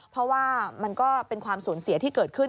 เพราะว่ามันก็เป็นความสูญเสียที่เกิดขึ้น